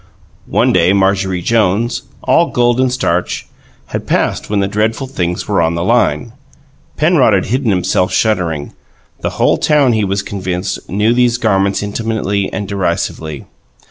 One day Marjorie Jones, all gold and starch, had passed when the dreadful things were on the line: Penrod had hidden himself, shuddering. The whole town, he was convinced, knew these garments intimately and derisively.